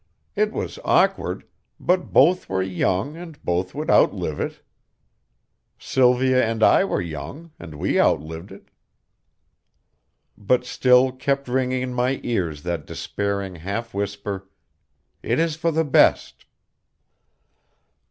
It was awkward, but both were young and both would outlive it. Sylvia and I were young, and we outlived it. But still kept ringing in my ears that despairing half whisper: "It is for the best."